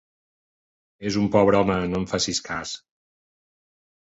És un pobre home, no en facis cas.